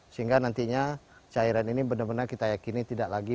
sehingga nantinya cairan ini benar benar kita yakini tidak lagi